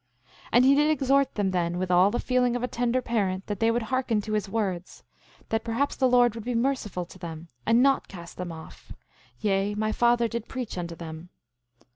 8:37 And he did exhort them then with all the feeling of a tender parent, that they would hearken to his words, that perhaps the Lord would be merciful to them, and not cast them off; yea, my father did preach unto them.